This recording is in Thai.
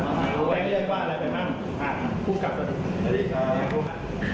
สวัสดีครับแม่งเรียกว่าอะไรไปบ้างอ่าพูดกับสวัสดีครับสวัสดีครับ